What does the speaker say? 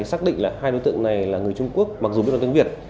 thì xác định là hai đối tượng này là người trung quốc mặc dù biết nói tiếng việt